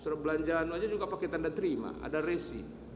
surat belanjaan aja juga pakai tanda terima ada resi